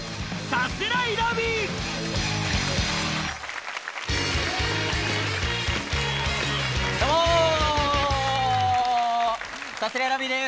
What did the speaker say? さすらいラビーです。